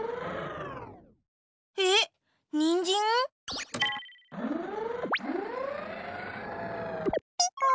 えっにんじん？ピポ。